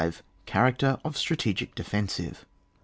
CHARACTER OF STRATEGIC DEFENSIVE.